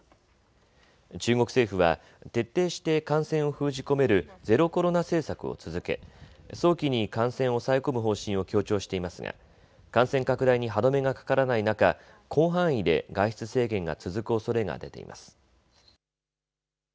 中国政府は徹底して感染を封じ込めるゼロコロナ政策を続け早期に感染を抑え込む方針を強調していますが感染拡大に歯止めがかからない中、広範囲で外出制限が続くおそれが出ています。